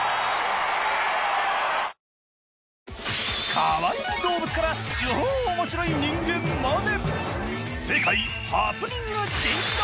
かわいい動物から超面白い人間まで。